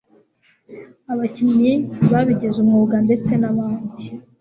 abakinnyi babigize umwuga ndetse n'abandi.